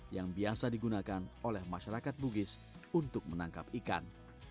yang biasa digunakan oleh masyarakat bugis untuk menangkap ikan